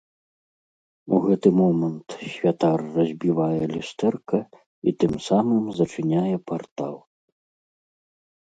У гэты момант святар разбівае люстэрка і тым самым зачыняе партал.